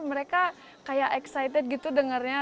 mereka kayak excited gitu dengarnya